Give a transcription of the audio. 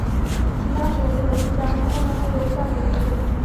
其他使用这个附加符号的还有萨米语等。